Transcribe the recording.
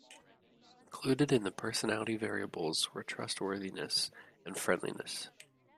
Included in the personality variables were trustworthiness and friendliness.